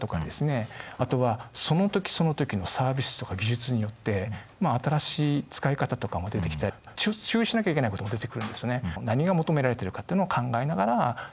あとはその時その時のサービスとか技術によって新しい使い方とかも出てきたり注意しなきゃいけないことも出てくるんですね。